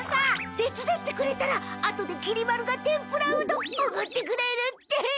てつだってくれたらあとできり丸が天ぷらうどんおごってくれるって！